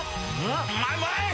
うまい！